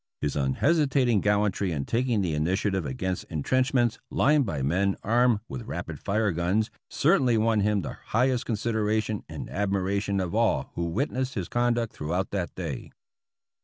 His unhesitating gallantry in tak ing the initiative against intrenchments lined by men armed with rapid fire guns certainly won him the highest consideration and admiration of all who witnessed his con duct throughout that day.